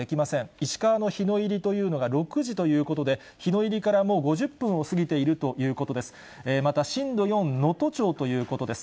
石川の日の入りというのが６時ということで、日の入りからもう５０分を過ぎているということです。